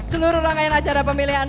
seluruh rangkaian acara pemilihan